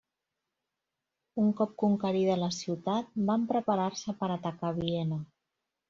Un cop conquerida la ciutat, van preparar-se per atacar Viena.